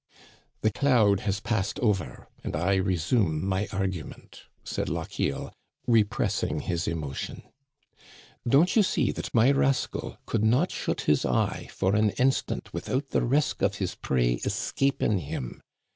" The cloud has passed over, and I resume my argu ment," said Lochiel, repressing his. emotion. Don't you see that my rascal could not shut his eye for an instant without the risk of his prey escaping him